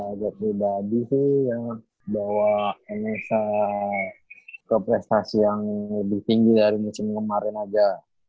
agak pribadi sih ya bawa nsa ke prestasi yang lebih tinggi dari musim kemarin aja